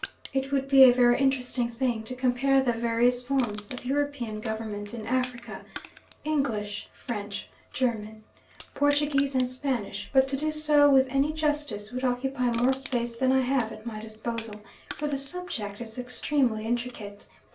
It would be a very interesting thing to compare the various forms of European government in Africa English, French, German, Portuguese, and Spanish; but to do so with any justice would occupy more space than I have at my disposal, for the subject is extremely intricate.